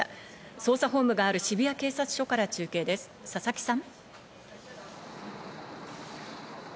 捜査本部がある渋谷警察署から中継です、佐々木さん。